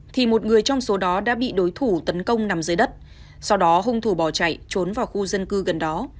thì một người trong số đó đã bị đối thủ tấn công nằm dưới đất sau đó hung thủ bỏ chạy trốn vào khu dân cư gần đó